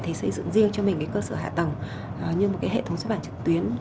thì xây dựng riêng cho mình cơ sở hạ tầng như một hệ thống xuất bản trực tuyến